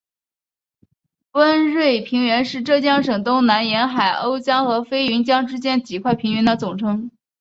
温瑞平原是浙江省东南沿海瓯江和飞云江之间几块平原的总称。